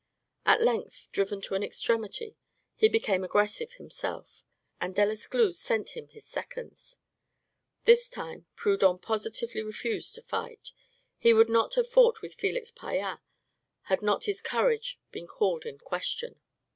At length, driven to an extremity, he became aggressive himself, and Delescluze sent him his seconds. This time, Proudhon positively refused to fight; he would not have fought with Felix Pyat, had not his courage been called in question.